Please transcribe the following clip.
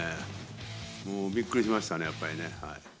もうびっくりしましたね、やっぱりね。